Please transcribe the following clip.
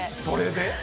それで？